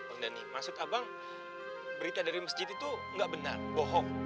udah nih maksud abang berita dari masjid itu gak benar bohong